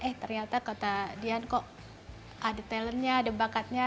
eh ternyata kata dian kok ada talentnya ada bakatnya